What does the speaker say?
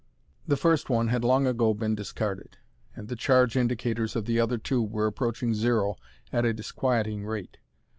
The first one had long ago been discarded, and the charge indicators of the other two were approaching zero at a disquieting rate.